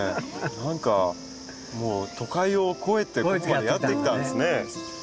何かもう都会を越えてここまでやって来たんですね。